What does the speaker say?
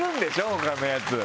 他のやつ。